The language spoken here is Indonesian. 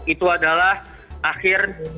itu adalah akhir